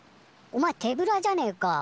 おまえ手ぶらじゃねえか。